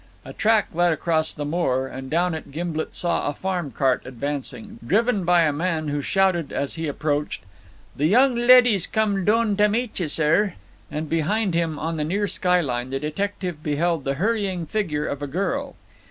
A track led across the moor, and down it Gimblet saw a farm cart advancing, driven by a man who shouted as he approached: "The young leddy's comin' doon tae meet ye, sir." And behind him, on the near skyline, the detective beheld the hurrying figure of a girl.